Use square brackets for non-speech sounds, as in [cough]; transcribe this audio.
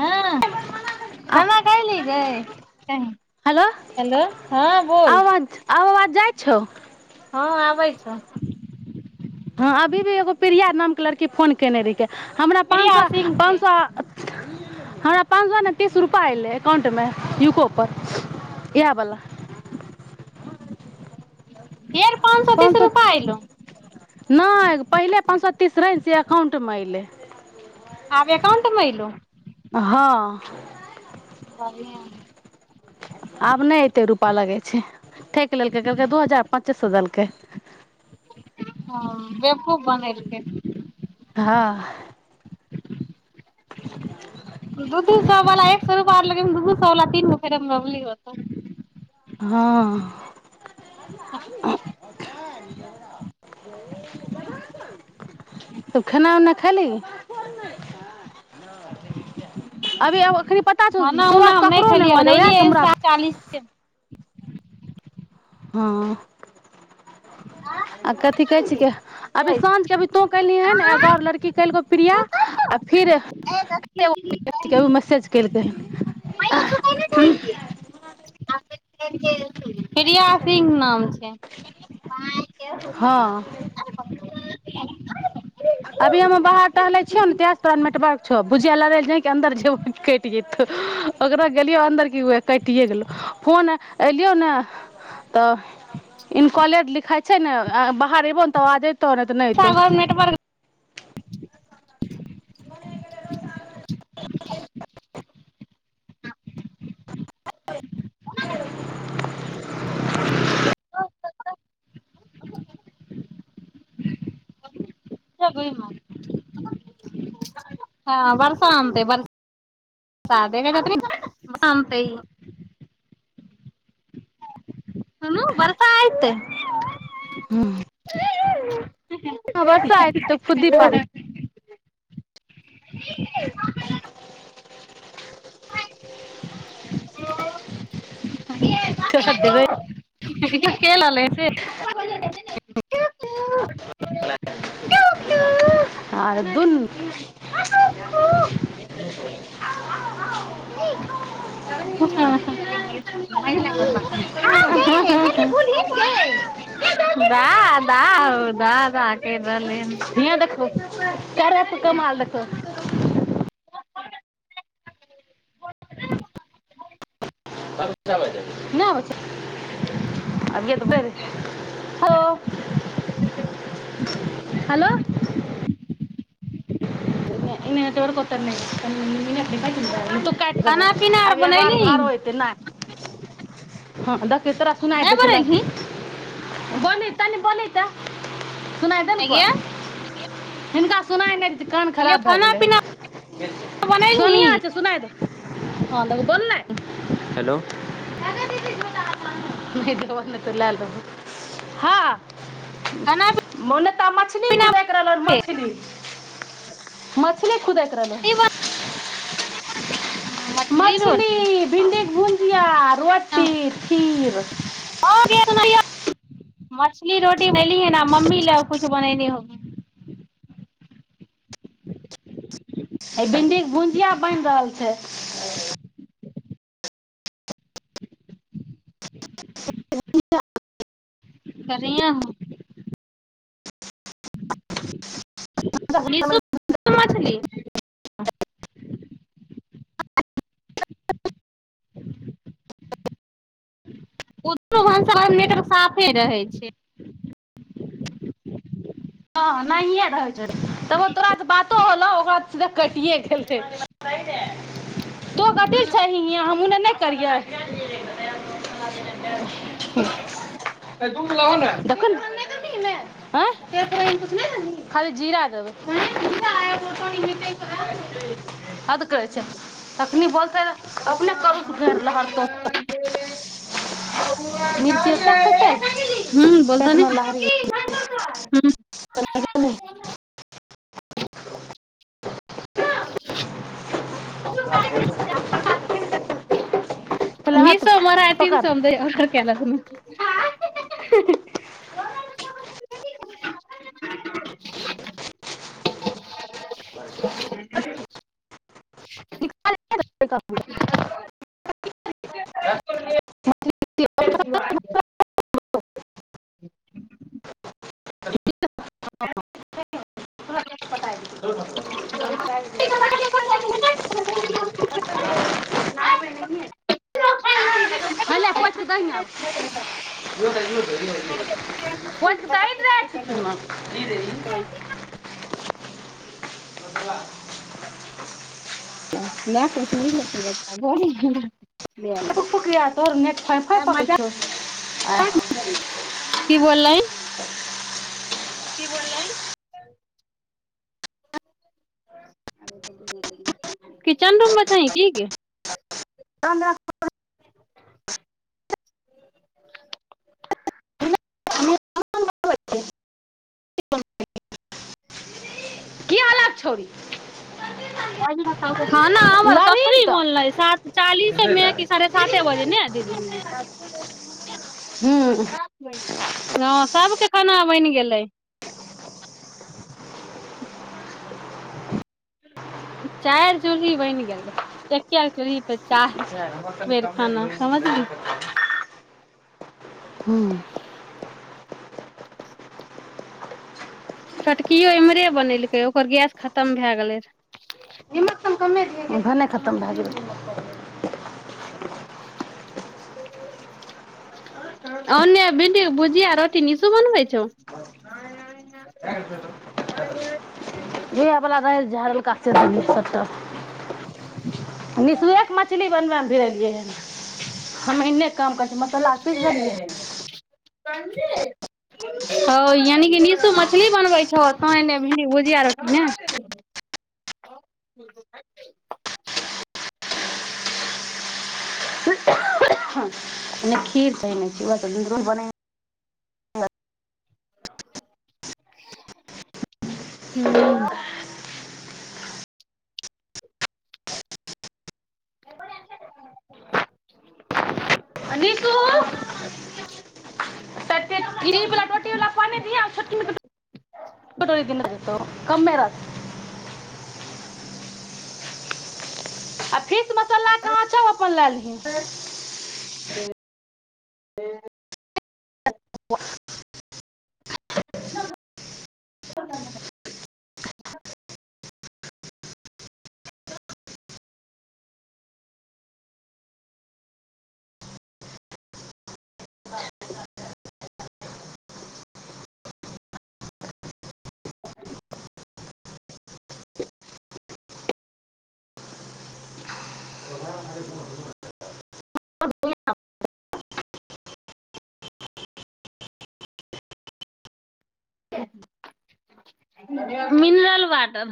हां आ खाना ख इलाही गई हेलो आब हेलो हँ बोल आवाज आब आवाज जाइ छौ हँ आबै छी छः हँ अभी भी एगो प्रिया नाम के लड़की फोन केने री के हमरा प्रिया पांसो सिंह छै पांसो पाँच सए नाई तीस रूपा एलै एकउटमे यूकोपर इहा बला फेर पान सौ तीस रूपा एलो नई पहिले पान सौ तीस रहै ने से अकाउंटमे अयलै आबकाउंटमेहिलो हाँ [unintelligible] ठेक लेलकै कहलकै दू हजार पाँचे सौ देलकै ह बेब्कुफ बनेलके हँ [unintelligible] [unintelligible] दू दू सौ वाला एक सौ रुपआ आर लगेबही दू दू सौ वाला तीन गो फेरमलब्ली होतो हँ तऽ खाना उना खालही अभी अब अखनी खान उना हम नई खेलियै बने एलिये हमरा सात चालीस के हँ आ कथीछेक अभी के साँझके अभी तोँ कलियह हन एगा आ लड़की कलकौ प्रिया आ फिरी मैसेज केलकै हन प्रिया सिंह नाम छै माए के हँ होतै ह [unintelligible] अभी हम बाहर टहले छियै ने ते से तोरा नेटवर्क बुझे लड़ल अन्दर जेबो कटि जेतौ ओकराो गेलियो अन्दर क कटिे गेलो फोन एलियो ने तऽ इनककॉले लिखााय छै ने बाहर एबो ने तऽ आ बाजे गावघर नेटवर्क [inaudible] [unintelligible] जब्ये हम हँ बरसान त बरसा दे क बरसान अन्ते न्ये ई ह न भरसा अइतै हुँम् [inaudible] चो भ देबय खेलल कि कु दुन [inaudible] [inaudible] पुछा कोणाला दा कुठं करायचं दा नाही. हो दादा दादा किया देखू करर पका माल रखो ना एखने जोरबो त काटि देबहो खाना पीना आर अभी एगो आ बनैलही आर एतै नहि हँ तेसरा सुनाय नहि दयछल ल बनेलही आंय बनैता ने बनैता सुनाय देल कआ गे हिनका सुनाय नै कहलियौ खराब भए खाना गेलै पीना बनेलही सोनीआ छै सुनाए दे हँ नै बोलन हेलो दीदी झोरा त लाल रहे हँ खाना मने त मछली खुदै तोरघर मछली मछली कुदैत रहलै पीना मछली भिंडीक भुजिया हँ रोटी खीर गे सुनैयौ मछली रोटी बनलियहे ने आ मम्मी लए किछु बनयने होब एहि भिण्डीके भुजिया बनि रहल छै [inaudible] तरियम [inaudible] समछली [inaudible] ओतह भनसा बनबैय साफे रहै छै हँ नहिए रहै ज तऽ ओ तोरा स बातो होल सो ओकरा सीधा कटिए गेले फैदे तु कथिला छिहिन् हयाँ हमहूँ करिय हुँ दूध लावा ना. देखन त नय दैति न हां खाली जीरा देबै हद करय छाँ फेर लहरतौ [inaudible] ह मिर्ची ओतेक खैतै बोलत ने पेटमे लहरी हुँ [unintelligible] [inaudible] [inaudible] पहिले हाथ मिसो मरा तीन पकड़ सएमे ऑर्डर क त हिं हिं [unintelligible] [unintelligible] दे [unintelligible] [inaudible] [inaudible] रहब नहि न पोइछ दहिं [inaudible] [inaudible] न फुक फुक या तोहर नेट फाइ फाइ पकै छौ कि बोललय की बोललै किचन रूममे छही की गे हन न छै तक छौड़ी खाना हमर कखनि लड़ीन तऽ बनलै सात हूँ चालीसेमे कि साढ़े साते बजे ने दीदी हँ सबके खाना बनि [unintelligible] बेर खाना समझली [unintelligible] हू छोटकिओ एम्हरे बनेलकै ओकर गैस खतम भए गेलै रहए निमक भने खतम भए गेलै ओने भिंडीक भुजिया रोटी निशु बनबै छौ इह बला रह झाड़ल क दी सबटा निसुएक मछली बनब धीर [inaudible] हम एने काम कर छ मसल्ला आर पीस देलीयै ह यानी की नीशु मछली बनबै छहो आ तो एन्ने भिंडी भुजिया रोटीने नहि खीर छै ने खेब तऽ लूरगर बनायै ह्म [unintelligible] आ फीस मसला कहाँ छउ लै लिह हँ ह [inaudible] [unintelligible] मिनरल वाटर